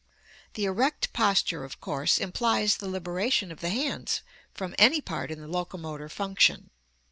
The erect posture of course implies the liberation of the hands from any part in the locomotor func tion.